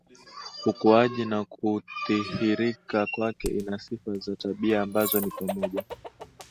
ukuaji na kudhihirika kwake Ina sifa za tabia ambazo ni pamoja